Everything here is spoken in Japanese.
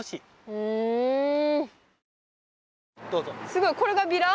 すごいこれがビラ？